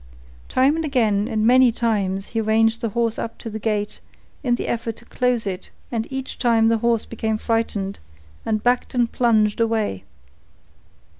Time and again and many times he ranged the horse up to the gate in the effort to close it and each time the horse became frightened and backed and plunged away.